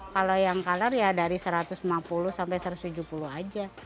kalau yang color ya dari satu ratus lima puluh sampai satu ratus tujuh puluh aja